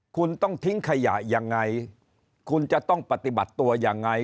คุณต้องทิ้งขยะยังไงคุณจะต้องปฏิบัติตัวยังไง